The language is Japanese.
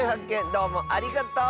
どうもありがとう！